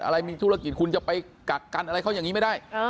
อะไรมีธุรกิจคุณจะไปกักกันอะไรเขาอย่างนี้ไม่ได้